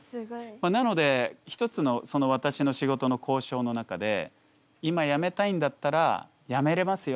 なので一つの私の仕事の交渉の中で今やめたいんだったらやめれますよ